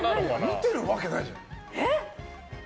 見てるわけないじゃん。